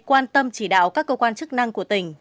quan tâm chỉ đạo các cơ quan chức năng của tỉnh